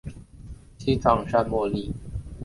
西藏山茉莉为安息香科山茉莉属下的一个种。